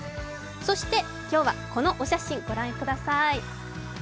そして今日はこのお写真、御覧ください。